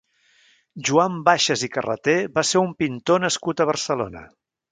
Joan Baixas i Carreter va ser un pintor nascut a Barcelona.